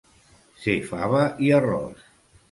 Ser fava i arròs.